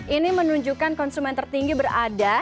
ini menunjukkan konsumen tertinggi berada